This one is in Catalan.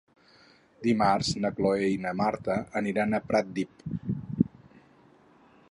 Dimarts na Cloè i na Marta aniran a Pratdip.